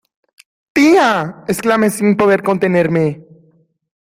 ¡Tía! exclamé sin poderme contener.